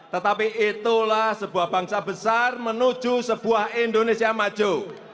tetapi itulah sebuah bangsa besar menuju sebuah indonesia maju